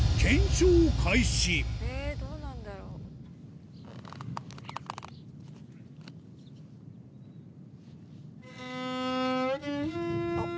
えぇどうなんだろう？あっ！